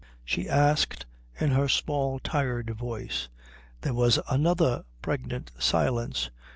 she asked in her small tired voice. There was another pregnant silence.